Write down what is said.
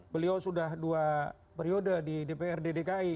beliau sudah dua periode di dprd dki